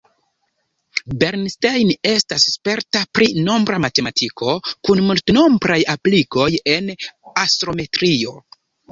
Bernstein estas sperta pri nombra matematiko, kun multenombraj aplikoj en astrometrio.